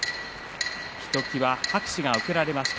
ひときわ拍手が送られました。